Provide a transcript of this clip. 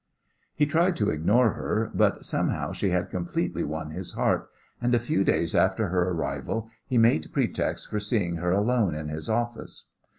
He tried to ignore her, but somehow she had completely won his heart, and a few days after her arrival he made a pretext for seeing her alone in his office.